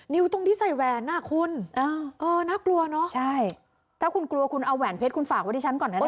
ตรงที่ใส่แหวนอ่ะคุณน่ากลัวเนอะใช่ถ้าคุณกลัวคุณเอาแหวนเพชรคุณฝากไว้ที่ฉันก่อนนะ